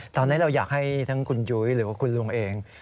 ตอนนั้นเราอยากให้ทั้งคุณยุ้ยหรือคุณลุงเอง